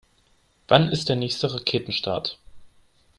Wann ist der nächste Raketenstart?